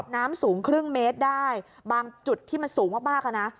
น้ำสูงครึ่งเมตรได้บางจุดที่มันสูงมากมากอ่ะนะ